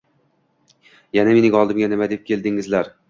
Yana mening oldimga nima deb keldingizlar